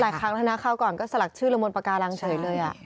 หลายครั้งแล้วนะเขาก่อนก็สลักชื่อละมนต์ปาการังเฉยเลย